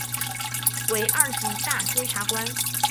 为二级大检察官。